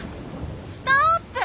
ストップ！